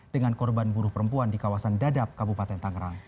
dengan korban buruh perempuan di kawasan dadap kabupaten tangerang